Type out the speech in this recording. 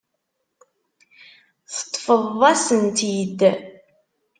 Teṭṭfeḍ-asen-tt-id.